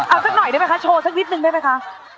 เอาสักหน่อยได้ไหมคะโชว์สักนิดนึงได้ไหมคะ